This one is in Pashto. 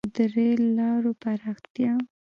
• د رېل لارو پراختیا.